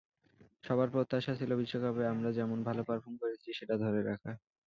সবার প্রত্যাশা ছিল বিশ্বকাপে আমরা যেমন ভালো পারফর্ম করেছি, সেটা ধরে রাখা।